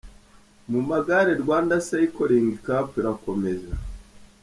Mu magare, Rwanda Cycling Cup irakomeza.